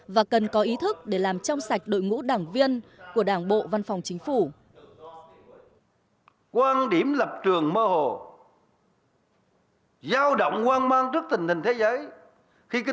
và cần có ý thức để làm trong sạch đội ngũ đảng viên của đảng bộ văn phòng chính phủ